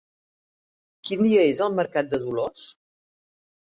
Quin dia és el mercat de Dolors?